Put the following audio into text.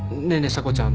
査子ちゃん